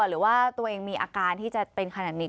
หรือว่าตัวเองมีอาการที่จะเป็นขนาดนี้